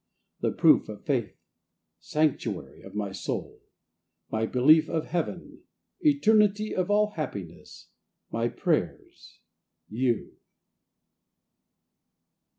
The Proof of Faith. Sanctuary of my Soul. My Belief of Heaven. Eternity of all Happiness. My Prayers. You.